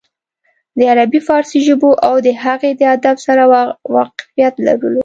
د عربي فارسي ژبو او د هغې د ادب سره واقفيت لرلو